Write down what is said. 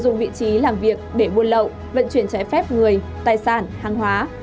lợi dụng vị trí làm việc để buôn lậu vận chuyển trái phép người tài sản hàng hóa